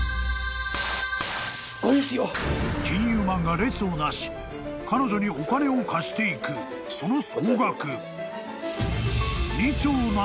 ［金融マンが列をなし彼女にお金を貸していくその総額］